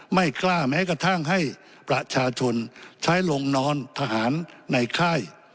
ไม่กล้าแม้กระทั่งให้ประชาชนใช้ลงนอนทหารในค่าย